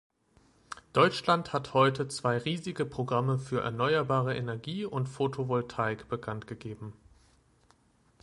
Deutschland hat heute zwei riesige Programme für erneuerbare Energie und Photovoltaik bekanntgegeben.